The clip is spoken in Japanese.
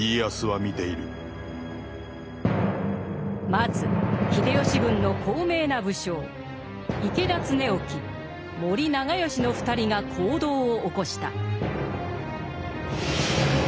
まず秀吉軍の高名な武将池田恒興森長可の２人が行動を起こした。